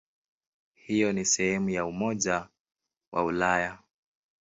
Hivyo ni sehemu ya Umoja wa Ulaya.